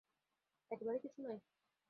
একেবারে কিছুই নাই?